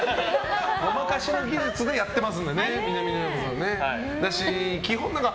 ごまかしの技術でやってますから、南野陽子さん。